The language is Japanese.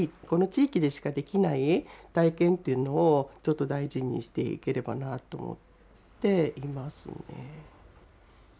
この地域でしかできない体験というのを、ちょっと大事にしていければなと思っていますね。